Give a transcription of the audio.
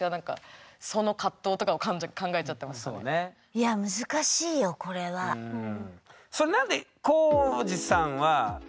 いや難しいよこれは。うん。